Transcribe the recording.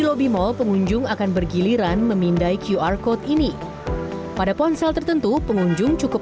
lobby mall pengunjung akan bergiliran memindai qr code ini pada ponsel tertentu pengunjung cukup